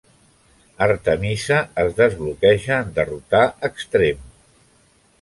Artemisa es desbloqueja en derrotar Extreme.